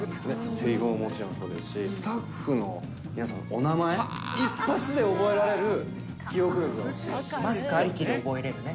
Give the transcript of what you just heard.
せりふももちろんそうですし、スタッフの皆さんのお名前、マスクありきで覚えれるね。